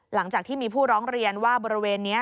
หลังจากที่มีผู้ร้องเรียนว่าบริเวณนี้